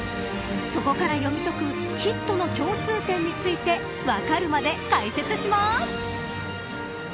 そこから読み解くヒットの共通点についてわかるまで解説します。